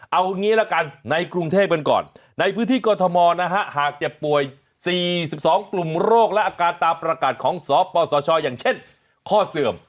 เอางี้ละกันในกรุงเทพกันก่อนในพื้นที่กรทมนะฮะหากเจ็บป่วย๔๒กลุ่มโรคและอาการตามประกาศของสปสชอย่างเช่นข้อเสื่อม